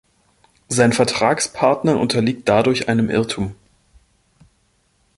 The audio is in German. Sein Vertragspartner unterliegt dadurch einem Irrtum.